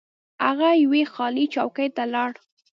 هغه یوې خالي چوکۍ ته لاړ.